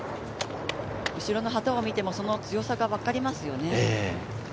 後ろの旗を見ても、その強さが分かりますよね。